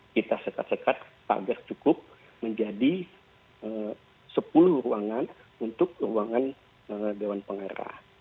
kita sekat sekat agar cukup menjadi sepuluh ruangan untuk ruangan dewan pengarah